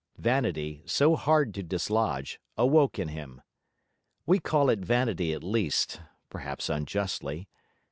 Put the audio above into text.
Vanity, so hard to dislodge, awoke in him. We call it vanity at least; perhaps unjustly.